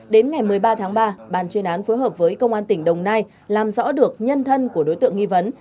đến ngày một mươi ba tháng ba bàn chuyên án phối hợp với công an tỉnh đồng nai làm rõ được nhân thân của đối tượng nghi vấn